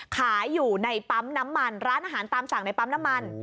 ขายอยู่ในปั๊มน้ำมันร้านอาหารตามสั่งในปั๊มน้ำมัน